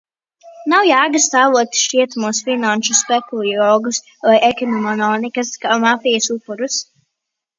Nav jēgas tēlot šķietamus finanšu spekulāciju vai ekonomikas mafijas upurus.